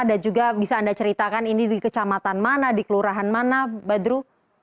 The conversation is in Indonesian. dan juga bisa anda ceritakan ini di kecamatan mana di kelurahan mana badru